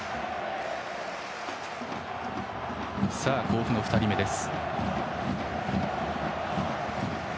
甲府の２人目です。